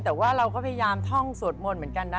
แต่ว่าเราก็พยายามท่องสวดมนต์เหมือนกันนะ